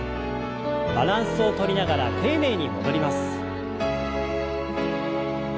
バランスをとりながら丁寧に戻ります。